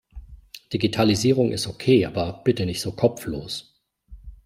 Digitalisierung ist okay, aber bitte nicht so kopflos!